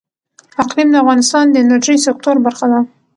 اقلیم د افغانستان د انرژۍ سکتور برخه ده.